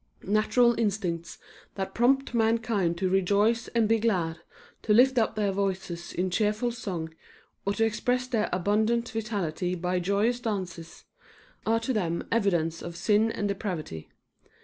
Natural instincts that prompt mankind to rejoice and be glad, to lift up their voices in cheerful songs, or to express their abundant vitality by joyous dances, are to them evidence of sin and depravity.